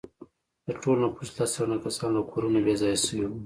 د ټول نفوس لس سلنه کسان له کورونو بې ځایه شوي وو.